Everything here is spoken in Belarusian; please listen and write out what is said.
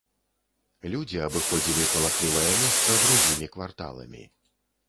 Людзі абыходзілі палахлівае месца другімі кварталамі.